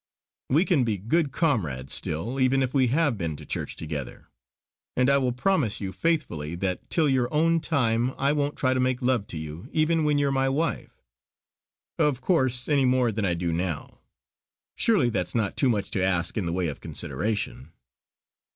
We can be good comrades still, even if we have been to church together; and I will promise you faithfully that till your own time I won't try to make love to you even when you're my wife of course any more than I do now. Surely that's not too much to ask in the way of consideration."